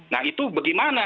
nah itu bagaimana